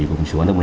của sự quan tâm